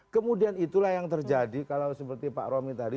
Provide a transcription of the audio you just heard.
kemudian itulah yang terjadi kalau seperti pak romi tadi